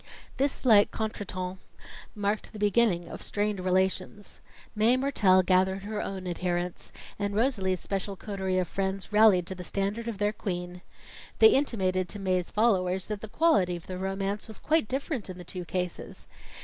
This slight contretemps marked the beginning of strained relations. Mae Mertelle gathered her own adherents, and Rosalie's special coterie of friends rallied to the standard of their queen. They intimated to Mae's followers that the quality of the romance was quite different in the two cases.